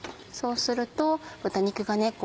そうすると豚肉がね